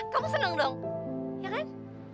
kamu senang dong ya kan